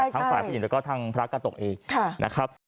ทั้งฝ่ายผู้หญิงแล้วก็ทางพระกาตกเองนะครับ